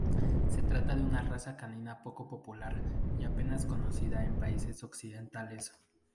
Se trata de una raza canina poco popular y apenas conocida en países occidentales.